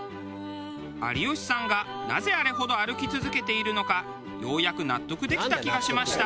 有吉さんがなぜあれほど歩き続けているのかようやく納得できた気がしました。